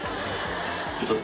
ちょっと。